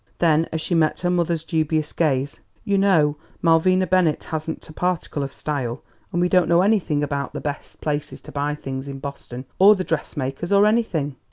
Then, as she met her mother's dubious gaze, "You know Malvina Bennett hasn't a particle of style; and we don't know anything about the best places to buy things in Boston; or the dressmakers, or anything."